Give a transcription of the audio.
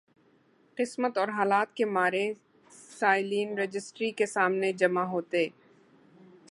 قسمت اور حالات کے مارے سائلین رجسٹری کے سامنے جمع ہوتے۔